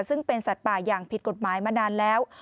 ซึ่งเป็นสัตว์ป่าอย่างผิดกฎหมายมานานแล้ว